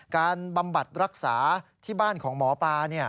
บำบัดรักษาที่บ้านของหมอปลา